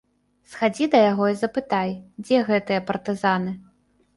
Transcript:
Схадзі да яго і запытай, дзе гэтыя партызаны.